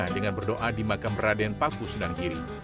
dengan berdoa di makam raden paku sunan kiri